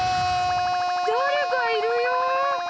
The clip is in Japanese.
誰かいるよ！